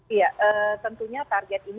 iya tentunya target ini